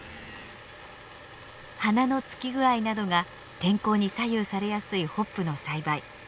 花のつき具合などが天候に左右されやすいホップの栽培。